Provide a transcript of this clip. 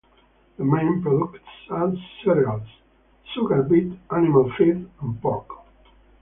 The main products are cereals, sugar beet, animal feed, and pork.